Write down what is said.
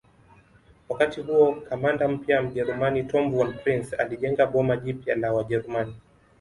wakati huo kamanda mpya mjerumani Tom Von Prince alijenga boma jipya la wajerumani